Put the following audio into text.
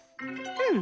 うん。